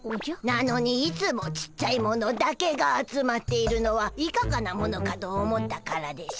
なのにいつもちっちゃいものだけが集まっているのはいかがなものかと思ったからでしゅ。